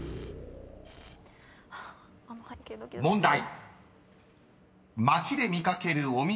［問題］